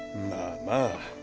まあまあ。